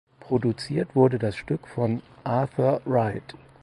Produziert wurde das Stück von Arthur Wright.